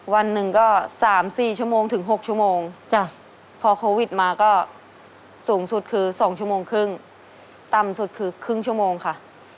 วันหนึ่งก็๓๔ชั่วโมงถึง๖ชั่วโมงพอโควิดมาก็สูงสุดคือ๒ชั่วโมงครึ่งต่ำสุดคือครึ่งชั่วโมงค่ะ